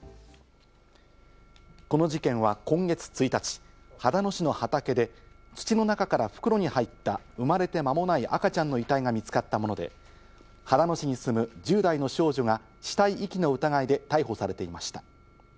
この事件は今月１日、秦野市の畑で、土の中から袋に入った生まれて間もない赤ちゃんの遺体が見つかったもので、秦野市に住む１０代の少女が死体遺棄の疑いで逮捕されていました。